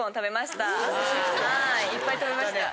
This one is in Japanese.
はいいっぱい食べました。